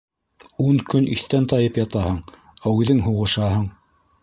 Ун көн иҫтән тайып ятаһың, ә үҙең һуғышаһың.